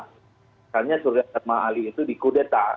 misalnya surya satma ali itu dikudeta